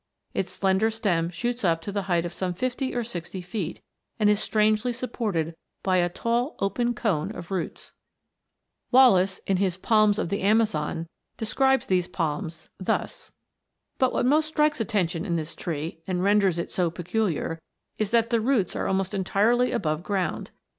Its slender stem shoots up to the height of some fifty or sixty feet, and is strangely supported by a tall open cone of roots. " But what most strikes attention in this tree, and renders it so peculiar, is, that the roots are almost entirely above ground.